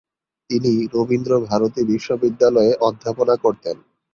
তিনি রবীন্দ্রভারতী বিশ্ববিদ্যালয়ে অধ্যাপনা করতেন।